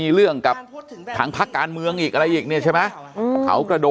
เขากระโดงอะไรอีกนะครับ